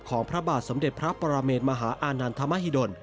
ของพระบาทสมเด็จพระปราเมนมหาอานานธรรมฮิดล